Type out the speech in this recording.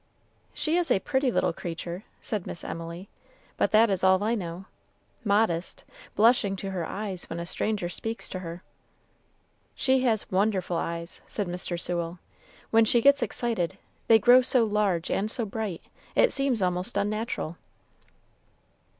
"She is a pretty little creature," said Miss Emily, "but that is all I know; modest blushing to her eyes when a stranger speaks to her." "She has wonderful eyes," said Mr. Sewell; "when she gets excited, they grow so large and so bright, it seems almost unnatural."